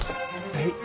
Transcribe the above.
はい。